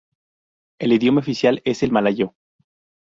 El idioma oficial es el malayo.